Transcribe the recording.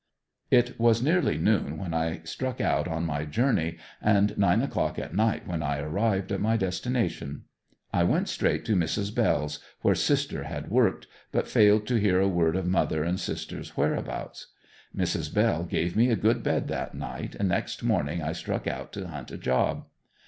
It was nearly noon when I struck out on my journey and nine o'clock at night when I arrived at my destination. I went straight to Mrs. Bell's, where sister had worked, but failed to hear a word of mother and sister's whereabouts. Mrs. Bell gave me a good bed that night and next morning I struck out to hunt a job.